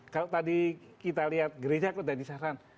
kalau tadi kita lihat gereja itu sudah diserang